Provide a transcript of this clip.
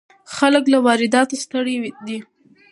خلک له وارداتو ستړي دي.